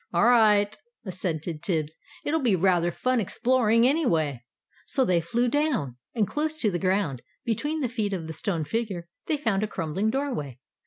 "All right," assented Tibbs; "it'll be rather fun exploring, anyway." So they flew down. And close to the ground, between the feet of the stone figure, they found a crumbling doorway.